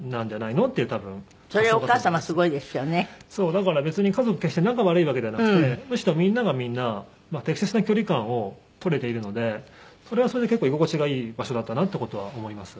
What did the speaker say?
だから別に家族決して仲悪いわけではなくてむしろみんながみんな適切な距離感を取れているのでそれはそれで結構居心地がいい場所だったなっていう事は思います。